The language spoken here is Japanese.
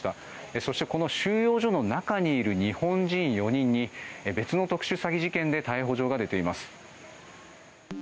そして収容所の中にいる日本人４人に別の特殊詐欺事件で逮捕状が出ています。